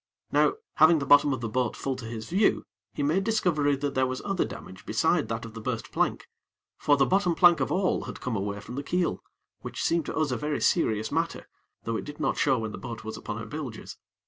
Now, having the bottom of the boat full to his view, he made discovery that there was other damage beside that of the burst plank; for the bottom plank of all had come away from the keel, which seemed to us a very serious matter; though it did not show when the boat was upon her bilges.